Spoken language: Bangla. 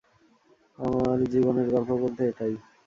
আমার জীবনের গল্প বলতে এটাই।